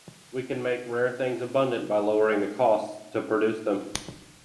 We can make rare things abundant by lowering the costs to produce them.